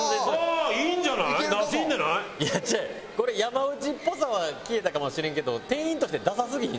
これ山内っぽさは消えたかもしれんけど店員としてダサすぎひん？